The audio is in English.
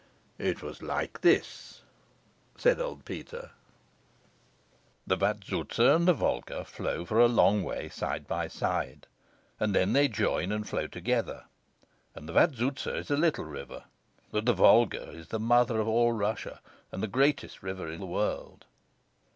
"It was like this," said old Peter. The Vazouza and the Volga flow for a long way side by side, and then they join and flow together. And the Vazouza is a little river; but the Volga is the mother of all Russia, and the greatest river in the world.